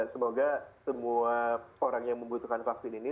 semoga semua orang yang membutuhkan vaksin ini